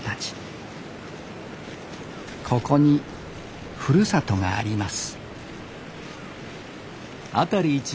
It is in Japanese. ここにふるさとがあります